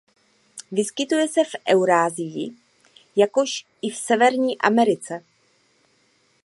Vyskytuje se v Eurasii jakož i v Severní Americe.